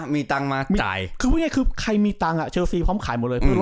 มีเงินมาจ่าย